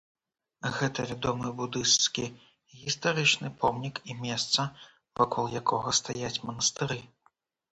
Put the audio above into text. Гэта вядомы будысцкі гістарычны помнік і месца, вакол якога стаяць манастыры.